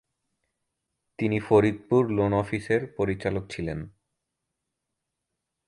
তিনি ফরিদপুর লোন অফিসের পরিচালক ছিলেন।